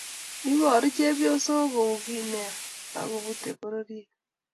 Iboru chepyoso kou chi neya akobutei pororiet